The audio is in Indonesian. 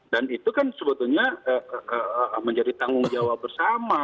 dan itu kan sebetulnya menjadi tanggung jawab bersama